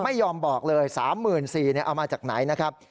ไม่ยอมบอกเลยสามหมื่นสี่เนี่ยเอามาจากไหนนะครับ